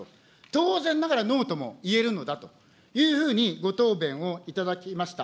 当然ながらノーとも言えるのだというふうにご答弁を頂きました。